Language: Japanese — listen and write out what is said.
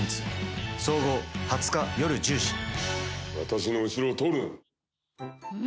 私の後ろを通るな！